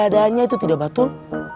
kalau keadaannya itu tidak betul